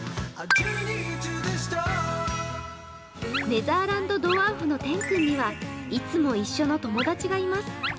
ネザーランドドワーフのてんくんにはいつも一緒の友達がいます。